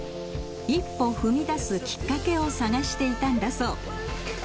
一歩踏み出すきっかけを探していたんだそう。